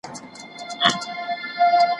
دې پاچا د یوه مرغه په ټپي کېدو ډېر خپګان وښود.